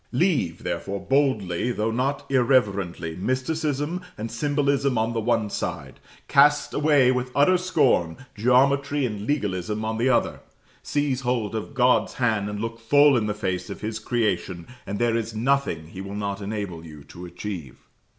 Leave, therefore, boldly, though not irreverently, mysticism and symbolism on the one side; cast away with utter scorn geometry and legalism on the other; seize hold of God's hand and look full in the face of His creation, and there is nothing He will not enable you to achieve.